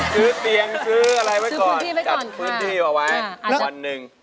ซื้อเตียงซื้ออะไรไว้ก่อนจัดพื้นที่เอาไว้วันหนึ่ง